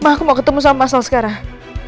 ma aku mau ketemu sama mas salya sekarang